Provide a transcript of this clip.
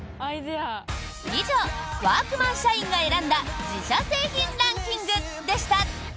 以上、ワークマン社員が選んだ自社製品ランキングでした！